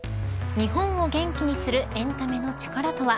日本を元気にするエンタメの力とは。